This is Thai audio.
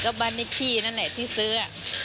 ก็บ้านเลขที่นั่นแหละที่ซื้อ